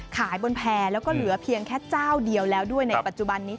ขายบนแพร่แล้วก็เหลือเพียงแค่เจ้าเดียวแล้วด้วยในปัจจุบันนี้